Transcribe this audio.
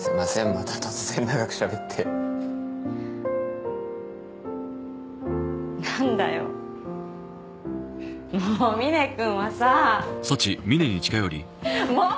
また突然長くしゃべってなんだよもうみね君はさもう！